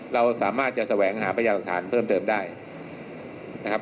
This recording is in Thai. เราสามารถจะแสวงหาพยาหลักฐานเพิ่มเติมได้นะครับ